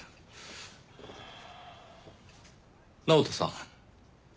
直人さん